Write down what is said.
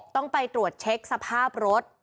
ต้องไปตรวจเช็คสภาพรถ